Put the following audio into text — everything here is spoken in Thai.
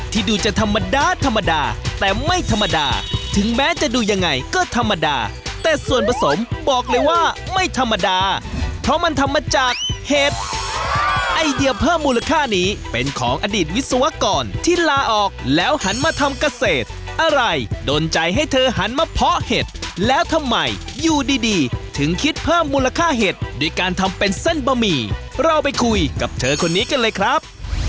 ดูจะธรรมดาธรรมดาแต่ไม่ธรรมดาถึงแม้จะดูยังไงก็ธรรมดาแต่ส่วนผสมบอกเลยว่าไม่ธรรมดาเพราะมันทำมาจากเห็ดไอเดียเพิ่มมูลค่านี้เป็นของอดีตวิศวกรที่ลาออกแล้วหันมาทำเกษตรอะไรโดนใจให้เธอหันมาเพาะเห็ดแล้วทำไมอยู่ดีดีถึงคิดเพิ่มมูลค่าเห็ดด้วยการทำเป็นเส้นบะหมี่เราไปคุยกับเธอคนนี้กันเลยครับ